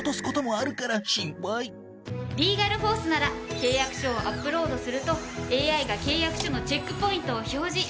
リーガルフォースなら契約書をアップロードするとＡＩが契約書のチェックポイントを表示。